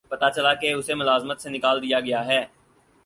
پتہ چلا کہ اسے ملازمت سے نکال دیا گیا ہے